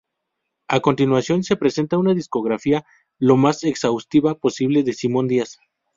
A continuación, se presenta una discografía lo más exhaustiva posible de Simón Díaz.